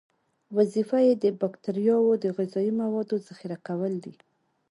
وظیفه یې د باکتریاوو د غذایي موادو ذخیره کول دي.